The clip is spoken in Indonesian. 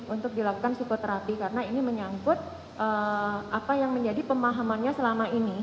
untuk dilakukan psikoterapi karena ini menyangkut apa yang menjadi pemahamannya selama ini